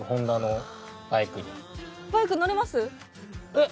えっ？